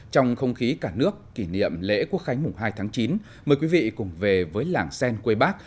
trong không khí cả nước kỷ niệm lễ quốc khánh mùng hai tháng chín mời quý vị cùng về với làng sen quê bác